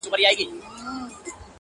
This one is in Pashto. خدای راکړي تېزي سترگي غټ منگول دئ-